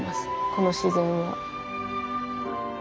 この自然を。